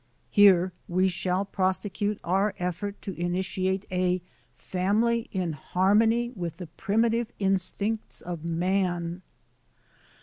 Here we shall prosecute our effort to initiate a ' jF^SiUt in harmony with the primitive instincts \of man.